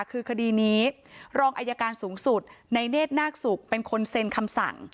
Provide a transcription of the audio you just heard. คือคดีนี้รองอายการสูงสุดในเนธนาคศุกร์เป็นคนเซ็นคำสั่ง